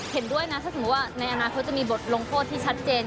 เห็นด้วยนะถ้าสมมุติว่าในอนาคตจะมีบทลงโทษที่ชัดเจน